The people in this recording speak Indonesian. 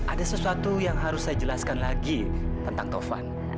ada sesuatu yang harus saya jelaskan lagi tentang tovan